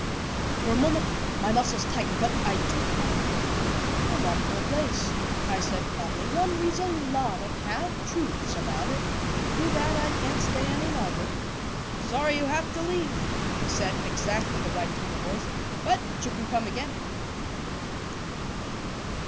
For a moment my muscles tightened, but I took my cue. "Remarkable place," I said calmly; "one reads a lot of half truths about it. Too bad I can't stay any longer." "Sorry you have to leave," he said, in exactly the right tone of voice. "But you can come again."